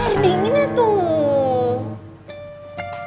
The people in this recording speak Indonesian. air dingin tuh